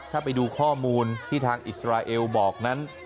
ถ้าไปดูข้อมูลที่ทางอิสราเอลบอกนั้น